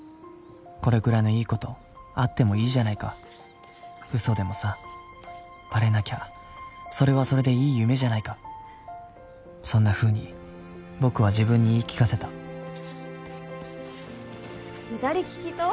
これくらいのいいことあってもいいじゃないか嘘でもさバレなきゃそれはそれでいい夢じゃないかそんなふうに僕は自分に言い聞かせた左利きと？